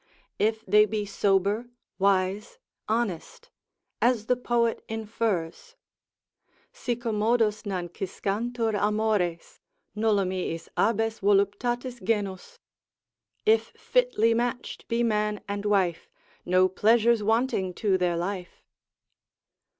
If they be sober, wise, honest, as the poet infers, Si commodos nanciscantur amores, Nullum iis abest voluptatis genus. If fitly match'd be man and wife, No pleasure's wanting to their life.